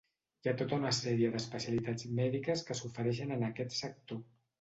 Hi ha tota una sèrie d'especialitats mèdiques que s'ofereixen en aquest sector.